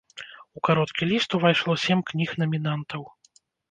У кароткі ліст увайшло сем кніг-намінантаў.